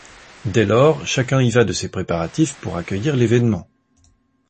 Dès lors, chacun y va de ses préparatifs pour accueillir l'événement.